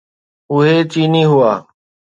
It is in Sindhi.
اهي چيني هئا.